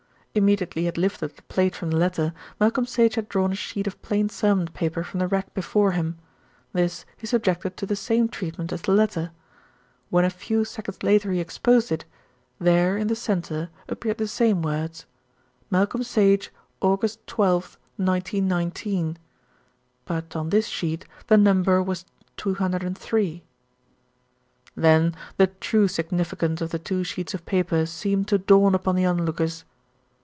Immediately he had lifted the plate from the letter, Malcolm Sage had drawn a sheet of plain sermon paper from the rack before him. This he subjected to the same treatment as the letter. When a few seconds later he exposed it, there in the centre appeared the same words: Malcolm Sage, August 12th, 1919. but on this sheet the number was 203. Then the true significance of the two sheets of paper seemed to dawn upon the onlookers.